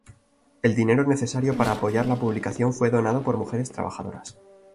El dinero necesario para apoyar la publicación fue donado por mujeres trabajadoras.